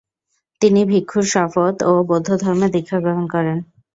তিনি ভিক্ষুর শপথ ও বৌদ্ধধর্মে দীক্ষা গ্রহণ করেন।